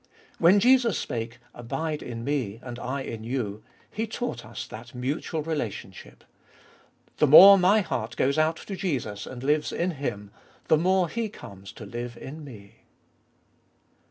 When Jesus spake, " Abide in me, and I in you," He taught us that mutual relationship. The more my heart no ttbe t>olfest of BU goes out to Jesus and lives in Him, the more He comes to live in me.